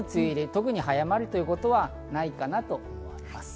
特に早まるということはないかなと思います。